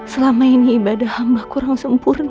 selama ini ibadah hamba kurang sempurna